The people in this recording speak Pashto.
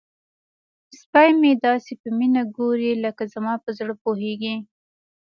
سپی مې داسې په مینه ګوري لکه زما په زړه پوهیږي.